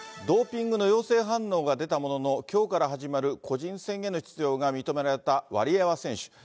ドーピングの陽性反応が出たものの、きょうから始まる個人戦への出場が認められたワリエワ選手。